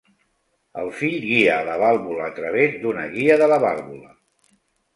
El fill guia a la vàlvula a través d'una guia de la vàlvula.